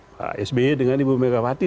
pak sby dengan ibu megawati